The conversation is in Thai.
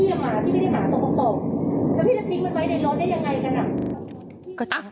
แล้วพี่จะทิ้งมันไว้ในรถได้อย่างไรกัน